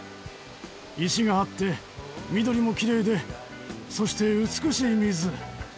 石があって緑もキレイでそして美しい水。